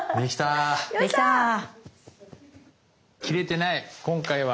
切れてない今回は！